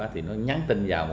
thì nó nhắn tin vào